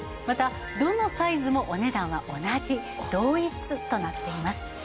またどのサイズもお値段は同じ同一となっています。